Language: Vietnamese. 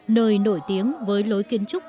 nơi nổi tiếng với lối kiến trúc